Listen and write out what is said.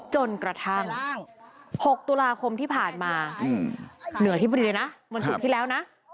จนกระทั่ง๖ตุลาคมที่ผ่านมาเหนือที่บริเวณนะเหมือนสุดที่แล้วนะ